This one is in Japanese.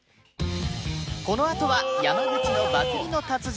このあとは山口の祭りの達人